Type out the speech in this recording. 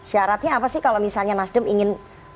syaratnya apa sih kalau misalnya nasdem ingin